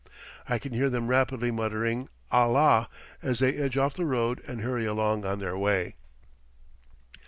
I can hear them rapidly muttering "Allah." as they edge off the road and hurry along on their way.